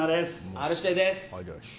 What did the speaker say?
Ｒ‐指定です。